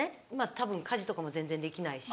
たぶん家事とかも全然できないし。